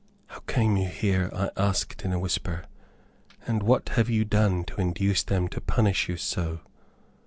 "How came you here?" I asked, in a whisper; "and what have you done to induce them to punish you so?"